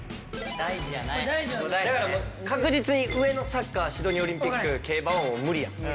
だから確実に上のサッカーシドニーオリンピック競馬は。